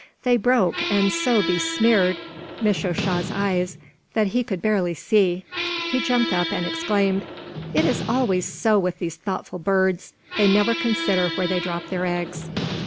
They broke and so besmeared Misho sha's eyes that he could barely see. He jumped up and exclaimed: "It is always so with these thoughtless birds. They never consider where they drop their eggs."